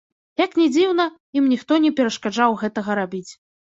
Як ні дзіўна, ім ніхто не перашкаджаў гэтага рабіць.